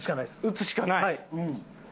打つしかない。